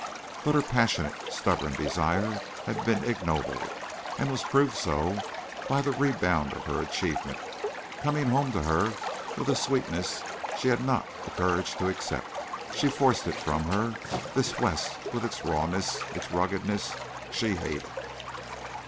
But her passionate, stubborn desire had been ignoble, and was proved so by the rebound of her achievement, coming home to her with a sweetness she had not the courage to accept. She forced it from her. This West with its rawness, its ruggedness, she hated.